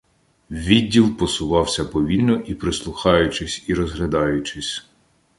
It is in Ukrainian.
Відділ посувався повільно, прислухаючись і розглядаючись.